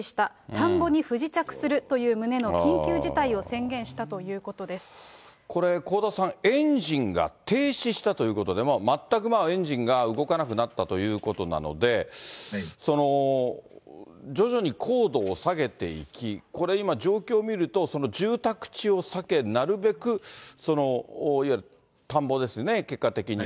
田んぼに不時着するという旨の緊香田さん、エンジンが停止したということで、全くエンジンが動かなくなったということなので、徐々に高度を下げていき、これ今、状況見ると住宅地を避け、なるべくいわゆる田んぼですよね、結果的に。